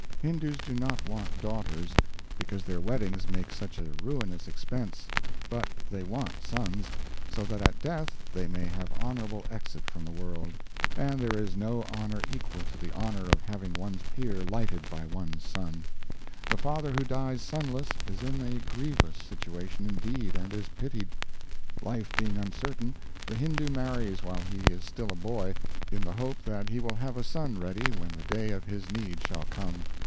Hindoos do not want daughters, because their weddings make such a ruinous expense; but they want sons, so that at death they may have honorable exit from the world; and there is no honor equal to the honor of having one's pyre lighted by one's son. The father who dies sonless is in a grievous situation indeed, and is pitied. Life being uncertain, the Hindoo marries while he is still a boy, in the hope that he will have a son ready when the day of his need shall come.